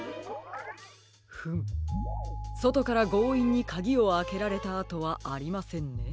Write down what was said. フムそとからごういんにかぎをあけられたあとはありませんね。